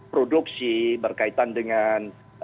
produksi berkaitan dengan